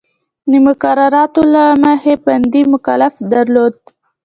د مقرراتو له مخې بندي مکلفیت درلود.